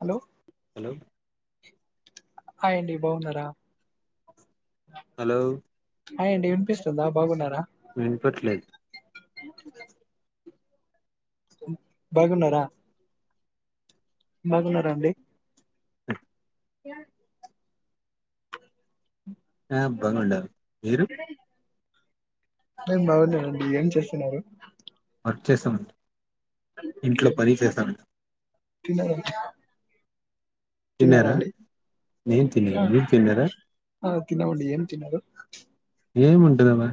Hello hello hi అండి బాగున్నారా hello హయండి వినిపిస్తుందా బాగున్నారా వినపడట్లేదు బాగున్నారా బాగున్నారాండి కిరణ్ ఆ బాగుందం నేను బాగున్నానండి ఏం చేస్తున్నరు వర్క్చేసామ ఓకే. ఇంట్లో పని చేశానండీ తిన్నారా తిన్నారా అండి నేను తిన్నాను మీరు తిన్నారా తిన్నమండి ఏం తన్నదు ఏముంటదామ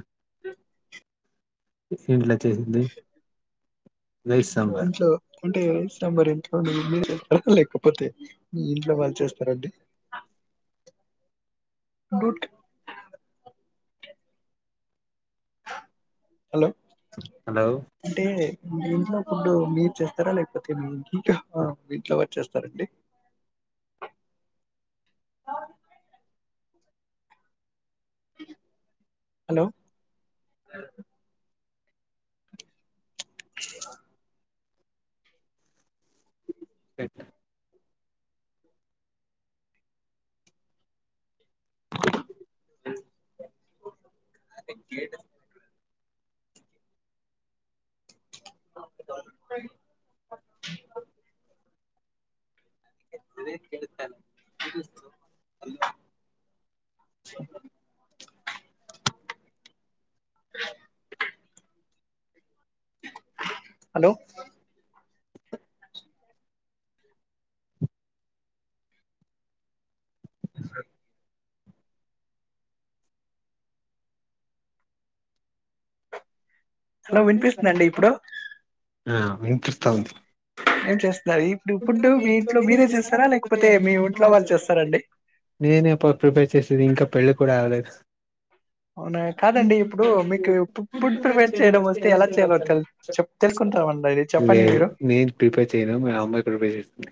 ఇంట్లా చేసిరైస్ సాంబార్ ఇంట్లో అంటే ఏం ఇష్టం మరి ఇంట్లో మీ మీరు చేస్తారా లేకపోతే మీ ఇంట్లో వాళ్ళు చేస్తారండి డూట్ హలో హలో అంటే ఇంట్లో ఇప్పుడు మీరు చేస్తారా లేకపోతే ఇంకా ఇంట్లో వాళ్ళు చ్చేస్తారండి ఆ హలో ఎట్ అదే గెట్ ఉమ్ అదే చెబుతన [unintelligible] [unintelligible] అ హలో సర్ హలో వినిపిస్తుంద అండి ఇప్పుడు ఆ వినిపిస్త ఉంది ఏం చేస్తున్నారు ఇప్పుడు ఇప్పుడు మీ ఇంట్లో మీరే చేస్తారా లేకపోతే మీ ఇంట్లో వాళ్ళు చేస్తార అండి నేనేపో ప్రిపేర్ చేసేది ఇంకా పెళ్ళి కూడా అవలేదు అవునా కాదండి ఇప్పుడు మీకు ఇప్పిప్పుడు ఇపుడు తెలుసుకుంటామండి అది చెప్పండి లేదు మీరు? నేను ప్రిపేర్ చేయను మా మమ్మీ ప్రిపేర్ ప్రిపేర్ చేస్తుంది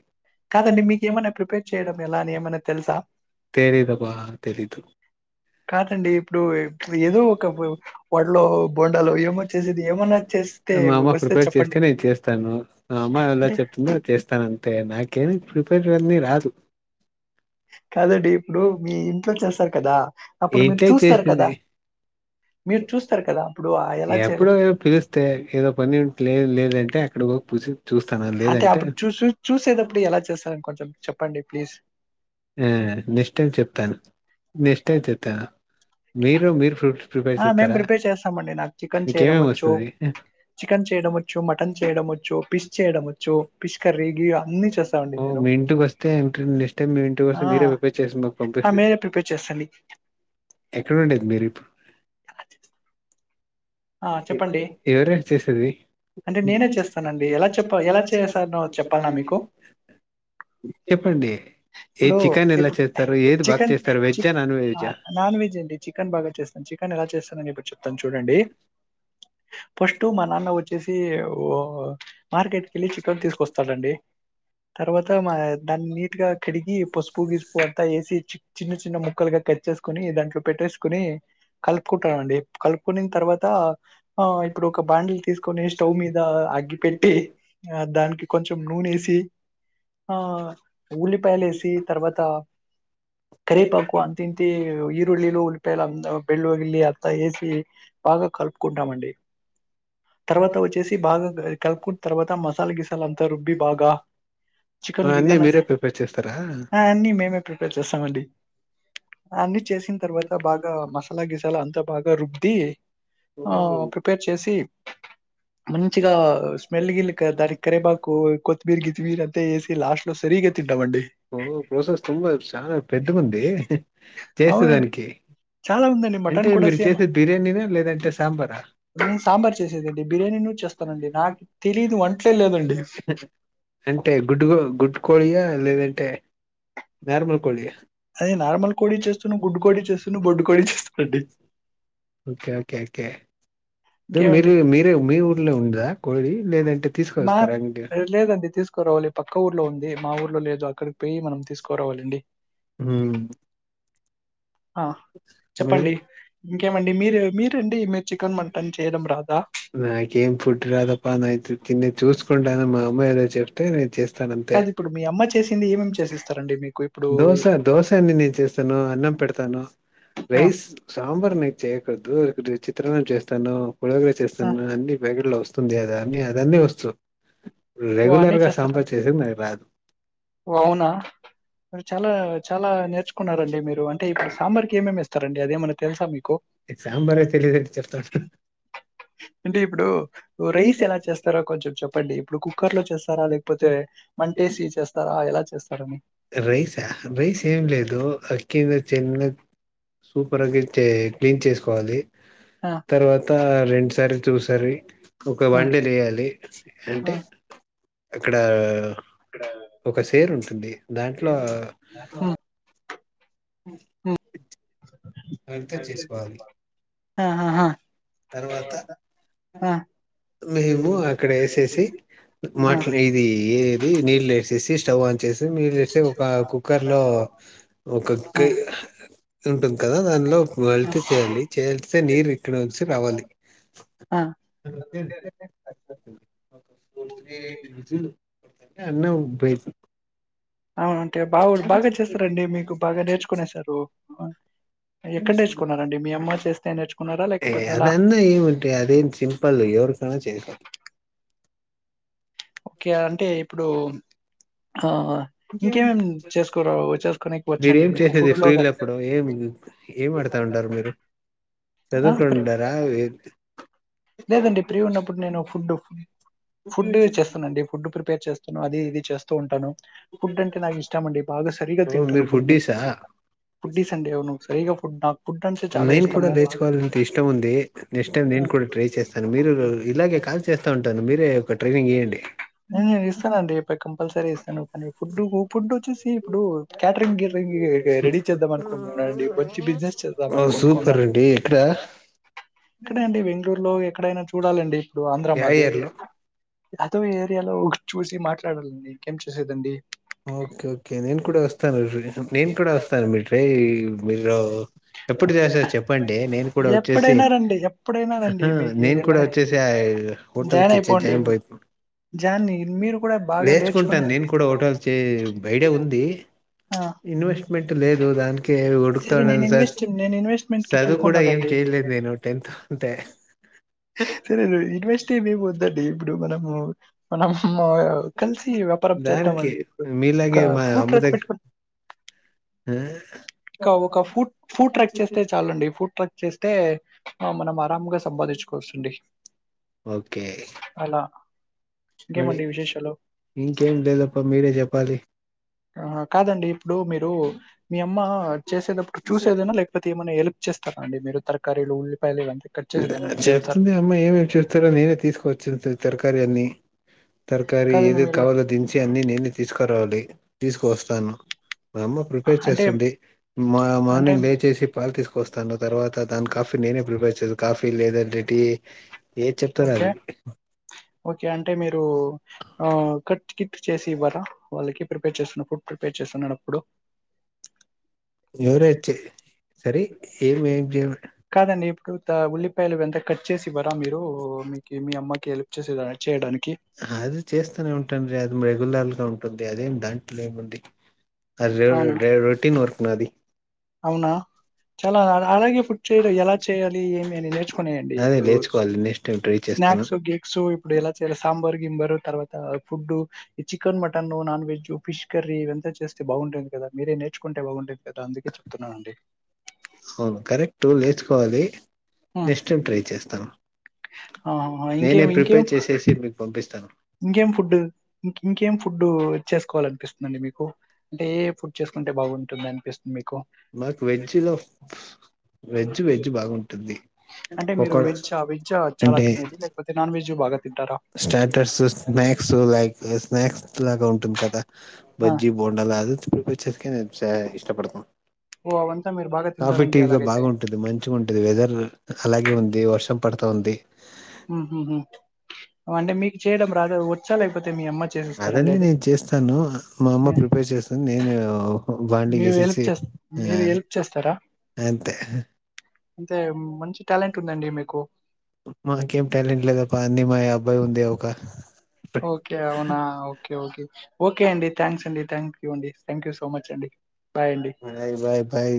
కాదండి మీక ఏమైనా ప్రిపేర్ చేయడం ఎలా అని ఏమైనా తెలుసా తెలిదబ్బా తెలీదు కాదండి ఇప్పుడు ఏదో ఒక వడలో బోండాలో ఏమో చేసేది ఏమన్నా చేస్తే మా అమ్మ వస్తే ప్రిపేర్ చెప్పండి? చేస్తే నేను చేస్తాను మా అమ్మ ఎలా అంటే చెప్తుందో అది చేస్తాను అంతే నాకేమి ప్రిపేర్ అవనీ రాదు కాదండి ఇప్పుడు మీ ఇంట్లో చేస్తారు కదా అప్పుడు మీరు ఏంటే చూస్తారు కదా చేసింది మీరు చూస్తారు కదా అప్పుడు ఆ ఎలా ఎప్పుడో చేయాలో గాని పిలిస్తే ఏదో పని ఉంటే లేదు లేదంటే అక్కడకి పోయి చూస్తాను అంటే లేదంటే అప్పుడు చూసి చూసేటప్పుడు ఎలా చూస్తారండి కొంచెం చెప్పండి ప్లీజ్ ఆ నెక్స్ట్ అని చెప్పాను నెక్స్ట్ అని చెప్పా ఆ మేము ప్రిపేర్ చేస్తామండి నాకు చికెన్ చేయడం మీకేమేమి వచ్చు వస్తుంది చికెన్ చేయడం వచ్చు మటన్ చేయడం వచ్చు పిస్ చేస్తామండి ఓ నేను మీ ఇంటికి వొస్తే నెక్స్ట్ టైమ్ మీ ఇంటికి ఆ వొస్తే మీరే ప్రిపేర్ చేయాలి చేసి మీకు ఆ పంపిస్తా మీరే ప్రిపేర్ చేస్తండి ఎక్కడ ఉండేది మీరు ఇప్పుడు ఆ చెప్పండి ఎవరది చేసేది అంటే నేనే చేస్తానండి ఎలా చెప్ప ఎలా చెప్పండి చేసానో చెప్పాలనా మీకు ఏ చికెన్ ఎలా ఇప్పుడు చేస్తారు ఇప్పు ఏది బాగా చికెన్ చేస్తారు వెజ్జా నాన్ వెజ్జా నాన్ వెజ్ అండి చికెన్ బాగా చేస్తాను కానీ ఎలా చేస్తానని ఇప్పుడు చెప్తాను చూడండి పస్టూ మా నాన్న వచ్చేసి మార్కెట్కి యెళ్ళి చికెన్ తీసుకొస్తాడండి తర్వాత మా దాన్ని నీట్గా కడిగి పసుపు గీసుపుు అంత ఏసి చి చిన్న చిన్న ముక్కలుగా కట్ చేసుకుని దాంట్లో పెట్టేసుకుని కలుపుకుంటామండి కలుపుకునిన్ తర్వాత తా ఆ ఇప్పుడు ఒక బాండీ తీసుకొని స్టవ్ మీద అగ్గి పెట్టి ఆ దానికి కొంచెం నూనేసి ఆ ఉల్లిపాయలు ఏసి తర్వాత కరేపాకు అంత ఇంత ఈరుళిలు ఉల్పాయలు బెళ్ వెళ్ళి అత్తా ఏసి బాగా కలుపుకుంటామండి తర్వాత వచ్చేసి బాగా కలుపుకున్న తర్వాత మసాలా గీసాలంతా రుబ్బి బాగా చికెన్ అన్నీ గికెన్ మీరే ప్రిపేర్ చేస్తారా అయన్ని మేమే ప్రిపేర్ చేస్తామండి అన్నీ చేసిన తర్వాత బాగా మసాలా గిసాలా అంతా బాగా రుబ్బి ఆ ఓహ్ ప్రిపేర్ చేసి మంచిగా స్మెల్ గిల్ దానికి కరేపాకు కొత్తిమీర్ గిత్మీర్ అంతా ఏసి లాస్ట్ లో సరిగా తింటమండి ప్రాసెస్ తొందర సానా పెద్ద గుంది అవునండి. చేసేదానికి చాలా ఉందండి అంటే మటన్ కూడా మీరు సేమ్. చేసేది బిర్యానీనా లేదంటే సాంబారా నేను సాంబార్ చేసేదండి బిర్యానీ ఎందుకు చేస్తానండి నాకు తెలిదు వంట్లే లేదండి అంటే గుడ్డుకో గుడ్డు కోడీ ఆ లేదంటే నార్మల్ కోడి ఆ అదే నార్మల్ కోడి చేస్తున్నా, గుడ్డు కోడి చేస్తున్నా, బొడ్డు కోడి చేస్తానండి. ఓకే ఓకే ఓకే హే దేల్ మీరు మీరే మీ ఊర్లో ఉంద కోడి లేదంటే తీసుకొస్తారాండి రేపు పక్క ఊర్లో ఉంది మా ఊర్లో లేదు అక్కడికి పోయి మనం తీసుకోరావాలండి హ్మ్ ఆ మరి చెప్పండి ఇంకేమండి మీరు మీరండి మీరు చికెన్ మట్ నాకేం ఫుడ్ రాదప్ప నా ట్రిక్ కినే చూస్కుంటన మా అమ్మయిదే చెప్తే నేను చేస్తానంతే కాదు ఇప్పుడు మీ అమ్మ ఆ చేసింది ఏమేమి ఏముంది చెప్పు చేసిస్తారండి మీకు ఇప్పుడు దోశ దోశ అని నేను చేస్తాను అన్నం పెడతాను ఆ రైస్ సాంబార్ నే చేయకూడదు ఆ చేస్తాను పొలోగోర ఆ చేస్తాను అన్ని పాకెట్ లో వస్తుంది గదా ఆ అదన్నీ వస్తు ఓ రెగ్యులర్ అన్నీ గా చేస్తారా సాంబార్ చేసేది నాకు రాద్ ఓ అవునా మీరూ చాలా చాలా నేర్చుకున్నారండి మీరు అంటే ఇప్పుడు సాంబార్కి ఏమేం ఎస్తారండి అదేమన్నా తెలుసా మీకు ఎ సాంబారే తెలిదని చెప్తారు హుం టుచ్చు అంటే ఇప్పుడూ రైస్ ఎలా చేస్తారో కొంచెం చెప్పండి ఇప్పుడు కుక్కర్ లో చేస్తారా లేకపోతే మంటే ఎసి చేస్ రైసా రైస్ ఏం లేదు అక్కింవా చిన్నద్ సూపర్గాచే క్లీన్ చేసుకోవాలి ఆ తర్వాత రెండుసార్లు చూసారి ఒక వన్ డే లేయాలి అంటే టాక్ అక్కడా ఒక సేరు ఉంటుంది దాంట్లో ఉమ్, ఆవును అంత చేసుకోవాలి ఆ హాహా తర్వాత మేహేము అక్కడ ఏసేసి ఆ మాట్లా ఇది ఏది నిల్ ఎసేసి స్టవ్ ఆన్ చేసి నిల్ ఎస్తే ఒక కుక్కర్ లో ఆ ఒక్కోకాయి ఉంటుంది కదా దానిలో మల్టీ చేయాలి చేస్తే నీరు విక్కడం వస్త వచ్చి రావాలి ఆ ఓకే ఓకే అన్నం పెట్ ఆ అంటే బావోదు బాగా చేస్తారండి మీకు బాగా నేర్చుకునేసారు ఎక్కడ నేర్చుకున్నారండి మీ అమ్మ చేస్తే నేర్చుకున్నారా లేకపోతే ఎలా ఎవరు కన్నా చేస్తా క్లిక్ ఓకే అంటే ఇప్పుడు ఆహా ఇంకేమేమి చేసుకోరావో చేసుకోని మీరేం వచ్చాండి మీకు చేసేది ఫుడ్ లో ఫ్రీలో గానీ అప్పుడు ఏం ఏం ఆడుగుతా ఉండారు మీరు ఆ ప్రి చదువుకుంటారా వెక్ లేదండి ప్రీ ఉన్నప్పుడు నేను ఫుడ్ ఫుడే చేస్తానండి ఫుడ్ ప్రిపేర్ చేస్త నేను అది ఇది చేస్తూ ఉంటాను ఫుడ్ అంటే నా ఇష్టమండి బాగా సరిగా తింటాను మీరు ఫుడ్ ని ఫుడ్డీసా ఫుడీస్ అండి అవును సరీగా ఫుడ్ నాక్ నేను కూడా లేచుకోవాలంత ఇష్టంముంది నెక్స్ట్ టైమ్ నేను కూడా ట్రై ఆ! చేస్తాను మీరు రో ఇలాగే కాల్ చేస్తా ఉంటాను మీరే ఒక ట్రైనింగ్ ఇయ్యండి ఆ ఇస్తానండి పై కంపల్సరీ ఇస్తాను కానీ ఫుడ్డు కు ఫుడ్ వచ్చేసి ఇప్పుడు క్యాటరింగ్ గిటరింగ్ రెడీ చేద్దాం అనుకుంటున్నానండి మంచి బిజినెస్ చేద్దాం అనుకుకుంట వస్తారండి ఏక్కడ ఇక్కడే అండి బెంగళూరులో ఎక్కడైనా చూడాలండి ఇప్పుడు ఆంధ్ర యా మాది ఇయర్ లో అదో ఏరియాలో చూసి మాట్లాడాలండికేం చేసేదండి ఓకే ఓకే నేను కూడా వస్తాను నేను కూడా వస్తాను మీరు్రై మీరో ఎప్పుడు చేస్తారు చెప్పండి నేను కూడా ఓచ్చేసి ఎప్పుడైనా రండి ఎప్పుడైనా రాండి మీకు ఎలా అయితే హోటల్ జాన్ కి చే అయిపోండి జాయింట్ అవుతాను జాన్ని మీరు కూడా బాగా నేర్చుకొనేది ఇప్పుడు చ్చే బయడే ఉంది ఇన్వెస్ట్మెంట్ లేదు దానికే ఉడుకుతా సరే నేను ఉన్నని ఇన్వెస్ట్ నేను ఇన్వెస్ట్మెంట్ కి సదువు కూడా ఏం చూసుకుంటానండి ఎంలేదే నవ్వు టెన్త్ అంటె సరే యూనివర్సిటీ ఏమపోద్దండి ఇప్పుడు మనము మనం మనం కలిసి వ్యాపారం దానికి చేద్దామండి ఇప్పుడు మీలాగే మా అమ్మ ఫూటక్ దగ్గర పెట్టుకొని ఆ ఇకా ఒక ఫూట్ ఫూడ్ ట్రక్ చేస్తే చాలండి ఫుూడ్ ట్రక్ చేస్తే తే ఆ మనం ఆరామ్గా సంపాదించుకోవస్తుంది ఓకే మనీ ఇంకేమండి విశేషాలు? ఇంకేం లేలప్ప మీరే జలాప్ చెప్పాలి ఆ కాదండి ఇప్పుడు మీరు మీ అమ్మ చేసేటప్పుడు చూసేదైనా లేకపోతే ఏమైనా హల్ప్ చే చేస్తారండి మీరు తరకరీల్లు చెప్తుంది అమ్మా ఏమేమి చెూస్తారో నేనే తీసుకువచ్చి తరకారీ అన్ని తార్కరీ కాదండి ఏది మీరు కావాలో దించి అన్ని నేనే తీసుకురావాలి తీసుకువస్తాను మా అమ్మ ప్రిపేర్ అంటే చేస్తుంది మా అంటే మార్నింగ్ లే చేసి పాలు తీసుకొస్తాను తర్వాత దాని కాఫీ నేనే ప్రిపేర్ చే కాఫీ లేదంటే టీ ఏది చెప్తారో ఓకే అది ఓకే అంటే మీరు ఆ కట్ టికెట్ చేసి ఇవ్వరా వాళ్ళకి ప్రిపేర్ చేస్తున్నా ఫుడ్ ప్రిపేర్ చేస్తున్నాడప్పుడు న్యూరేచ్చే సరే ఏమి ఏం చేయి కాదండి. ఇప్పుడు త ఉల్లిపాయలు ఎంత కట్ చేసి ఇవరా మీరు మీ మీ అమ్మకి హెల్ప్ చేసే చేయడానిక్ అది చేస్తూనే ఉంటాంలె అది రెగ్యులర్ గా ఉంటుంది అదేం దాంట్లో ఏముంది రరే అవునా? రే రోటీన్ వర్క్ నాది అవునా చాలా అలాగే ఇప్పుడు ఎలా చేయాలి ఏమి అని నేర్చుకున్నాయండి అదే ఇప్పుడు లేచుకోవాలి నెక్స్ట్ టైం ట్రై చేస్తాను స్నాక్స్ కేేక్స్ ఇప్పుడు ఎలా చేల సాంబార్ కింబరు తర్వాత food chicken mutton non veg fish curry ఇవంత చేస్ స్తే బాగుండేది కదా మీరే నేర్చుకుంటే బాగుండేది కదా అందుకే చెప్తున్నానండి అవును కరెక్టు లేచుకోవాలి నెక్స్టైమ్ ట్రై చేస్తాను ఆ నేనే ఇంకేం ఇంకేం ప్రిపేర్ చేసేసి మీకు పంపిస్తాను ఇంకేం ఫుడ్ ఇం ఇంకేం ఫుడ్ చేసుకోవాల అనిపిస్తుందండి మీకు అంటే ఏ ఫుడ్ చేసుకుంటే బాగుంటుంది అనిపిస్ మాక్ వెజ్జిలో వెజ్జ్ వెజ్ బాగుంటుంది అంటే ఒక మీరు వెజ్ అంటే జు భాగ తింటారా టర్స్ స్నాక్స్ లైక్ స్నాక్స్ లాగా ఉంటుంది కదా ఆ బజ్జి బోండాలా అది ప్రిపేర్ చేక నే ఇష్టపడతాను ఓ అవంతా మీరు బాగా కాఫీ తింటారంటే టీవీగా అలాగైతే బాగుంటుంది మంచిగం టది వెదర్ అలాగే ఉంది వర్షం పడతా ఉంది ఉహు హు హు అంటే మీకు చేయడం రాదా వచ్చా లేకపోతే మీ అమ్మ చేసిస్తారండి అవన్నీ అది నేను చేస్తాను మా అమ్మ ఉమ్, ప్రిపేర్ చేస్తుంది నేను బాండీ మీరు హెల్ప్ వేసేసి చేస్ ఆ మీరు హెల్ప్ చేస్తారా అంతే అంతే మంచి టాలెంట్ ఉందండి మీకు మాకేం టాలెంట్ లేదప్ప అన్ని మా అబ్బాయి ఉంది ఒక ఓకే అవునా ఓకే ఓకే ఓకే అండి థ్యాంక్స్ అండి థ్యాంక్ యూ అండి థ్యాంక్ యూ సో మచ్ అండి బాయ్ అండి బై బై బై